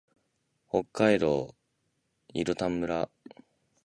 北海道色丹村